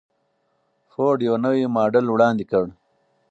فورډ یو نوی ماډل وړاندې کړ.